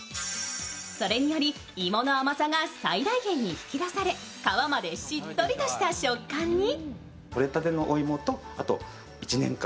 それにより芋の甘さが最大限に引き出され皮までしっとりとした食感に。